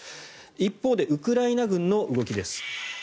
一方でウクライナ軍の動きです。